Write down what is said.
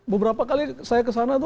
beberapa kali saya kesana